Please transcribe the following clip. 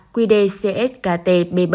quy định cskt b bảy